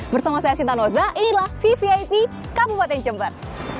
bersama saya sinta noza inilah vvip kabupaten jember